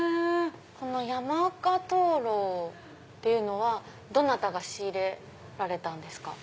この山鹿灯籠っていうのはどなたが仕入れられたんですか？